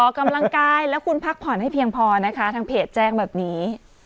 ออกกำลังกายแล้วคุณพักผ่อนให้เพียงพอนะคะทางเพจแจ้งแบบนี้